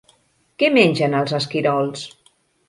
Què mengen els esquirols?